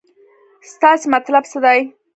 ستاسې مطلب څه دی.